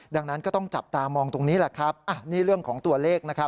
ดังนั้นก็ต้องจับตามองตรงนี้นี่เรื่องของตัวเลข